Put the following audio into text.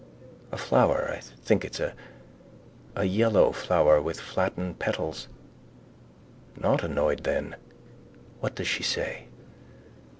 A flower. I think it's a. A yellow flower with flattened petals. Not annoyed then? What does she say?